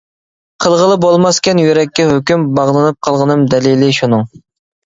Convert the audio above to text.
قىلغىلى بولماسكەن يۈرەككە ھۆكۈم، باغلىنىپ قالغىنىم دەلىلى شۇنىڭ.